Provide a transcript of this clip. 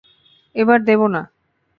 এবার দেব না!